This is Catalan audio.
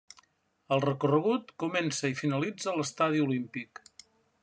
El recorregut comença i finalitza a l'Estadi Olímpic.